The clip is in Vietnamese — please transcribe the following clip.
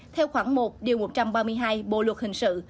theo khoảng một điều một trăm ba mươi hai bộ luật hình sự